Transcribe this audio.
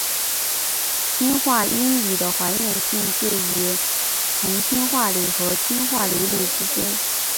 氢化铟锂的还原性介于硼氢化锂和氢化铝锂之间。